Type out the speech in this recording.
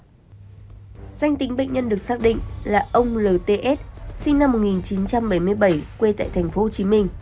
danh tính bệnh nhân được xác định là ông lts sinh năm một nghìn chín trăm bảy mươi bảy quê tại tp hcm